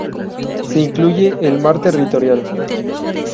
Se incluye el mar territorial.